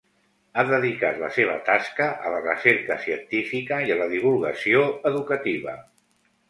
Ha dedicat la seva tasca a la recerca científica i a la divulgació educativa.